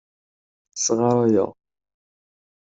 Sɣaṛayeɣ.